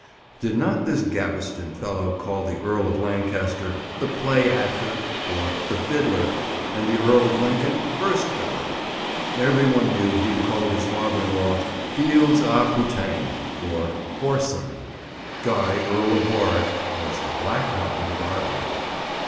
Did not this Gaveston fellow call the Earl of Lancaster "the play actor," or "the fiddler," and the Earl of Lincoln "burst belly." Every one knew he called his father in law "fils à puteyne," or "whoreson." Guy, Earl of Warwick, was "the black hound of Arden."